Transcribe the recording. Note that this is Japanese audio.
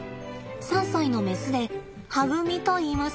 ３歳のメスではぐみといいます。